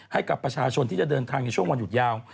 ให้กับประชาชนที่จะเดินทางในช่วงวันหยุดยาว